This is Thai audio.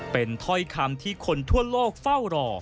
เป็นถ้อยคำที่คนทั่วโลกเฝ้ารอ